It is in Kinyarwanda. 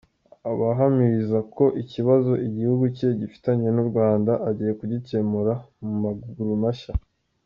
Abahamiriza ko ikibazo igihugu cye gifitanye n’u Rwanda, agiye kugikemura mu maguru mashya.